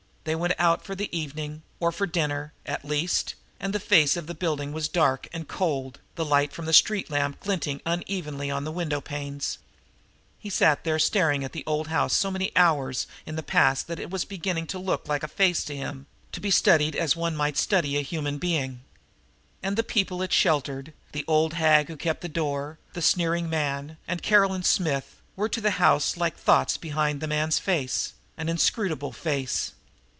They were out for the evening, or for dinner, at least, and the face of the building was dark and cold, the light from the street lamp glinting unevenly on the windowpanes. He had sat there staring at the old house so many hours in the past that it was beginning to be like a face to him, to be studied as one might study a human being. And the people it sheltered, the old hag who kept the door, the sneering man and Caroline Smith, were to the house like the thoughts behind a man's face, an inscrutable face.